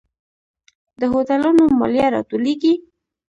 د هوټلونو مالیه راټولیږي؟